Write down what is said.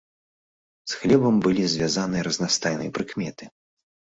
З хлебам былі звязаныя разнастайныя прыкметы.